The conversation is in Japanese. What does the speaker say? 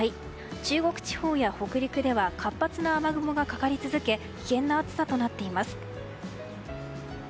中国地方や北陸では活発な雨雲がかかり続け危険な暑さとなっています。